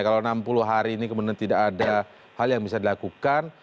kalau enam puluh hari ini kemudian tidak ada hal yang bisa dilakukan